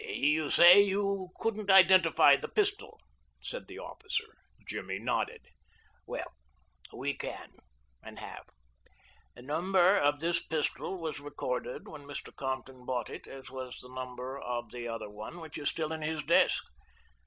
"You say you couldn't identify the pistol?" said the officer. Jimmy nodded. "Well, we can, and have. The number of this pistol was recorded when Mr. Compton bought it, as was the number of the other one which is still in his desk.